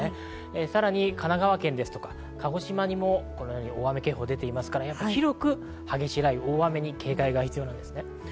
さらに神奈川県とか鹿児島でも大雨警報が出ていますから広く激しい雷雨、大雨に警戒が必要です。